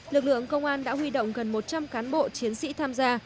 lực lượng công an đã huy động gần một trăm linh cán bộ chiến sĩ tham gia